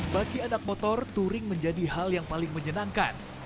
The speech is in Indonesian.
bagi anak motor touring menjadi hal yang paling menyenangkan